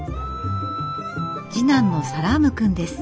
次男のサラームくんです。